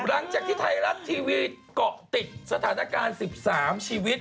หลังจากที่ไทยรัฐทีวีเกาะติดสถานการณ์๑๓ชีวิต